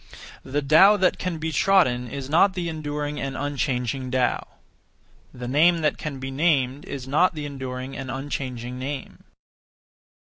The Tao that can be trodden is not the enduring and unchanging Tao. The name that can be named is not the enduring and unchanging name.